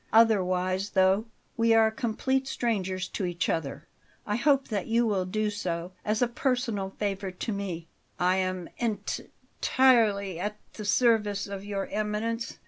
Otherwise, though we are complete strangers to each other, I hope that you will do so, as a personal favour to me." "I am ent t tirely at the service of Your Eminence."